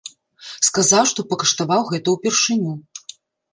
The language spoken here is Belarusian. Сказаў, што пакаштаваў гэта ўпершыню.